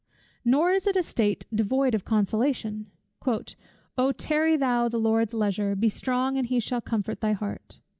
Nor is it a state devoid of consolation "O tarry thou the Lord's leisure, be strong and he shall comfort thy heart."